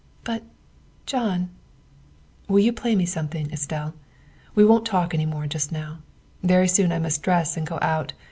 " But, John " Will you play me something, Estelle? We won't talk any more just now. Very soon I must dress and go out.